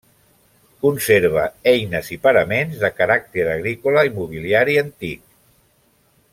Conserva eines i paraments de caràcter agrícola i mobiliari antic.